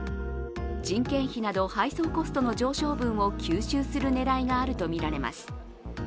人件費など、配送コストの上昇分を吸収する狙いがあるとみられます。